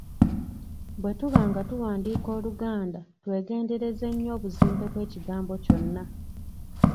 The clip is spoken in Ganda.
Bwetuba nga tuwandiika Oluganda, twegendereze nnyo obuzimbe bw'ekigambo kyonna.